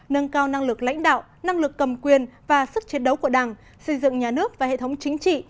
nâng cao năng lực lãnh đạo năng lực cầm quyền và sức chiến đấu của đảng xây dựng nhà nước và hệ thống chính trị